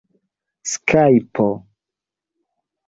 skajpo